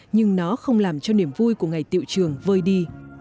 nhưng nó không làm cho niềm vui của ngày tiệu trường vơi đi